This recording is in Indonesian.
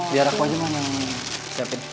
biar aku aja yang siapin